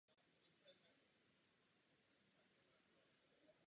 Pouze žádáme, aby hlasování bylo odloženo.